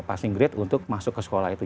pasti grid untuk masuk ke sekolah itu